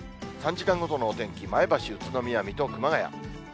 ３時間ごとのお天気、前橋、宇都宮、水戸、熊谷。